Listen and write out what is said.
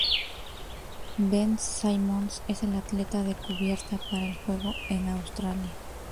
Ben Simmons es el atleta de cubierta para el juego en Australia.